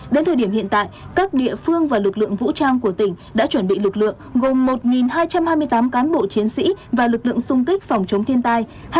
đến thời điểm hiện tại các địa phương và lực lượng vũ trang của tỉnh đã chuẩn bị lực lượng gồm một hai trăm hai mươi tám cán bộ chiến sĩ và lực lượng sung kích phòng chống thiên tai